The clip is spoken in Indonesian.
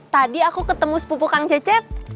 tadi aku ketemu sepupu kang cecep